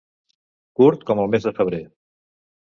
Curt com el mes de febrer.